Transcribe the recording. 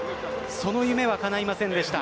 その夢はかないませんでした。